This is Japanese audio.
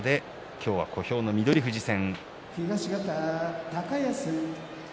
今日は小兵の翠富士戦。